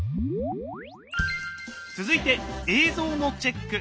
続いて映像のチェック。